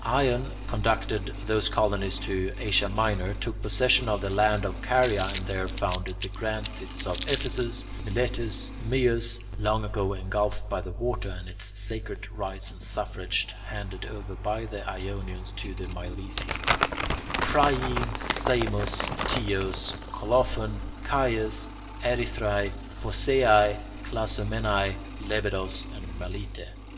Ion conducted those colonies to Asia Minor, took possession of the land of Caria, and there founded the grand cities of Ephesus, Miletus, Myus (long ago engulfed by the water, and its sacred rites and suffrage handed over by the Ionians to the Milesians), Priene, Samos, Teos, Colophon, Chius, Erythrae, Phocaea, Clazomenae, Lebedos, and Melite.